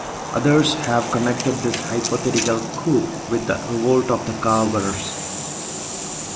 Others have connected this hypothetical coup with the revolt of the Kabars.